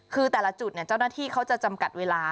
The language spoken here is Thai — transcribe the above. คือแต่ละจุดเจ้าหน้าที่เขาจะจำกัดเวลา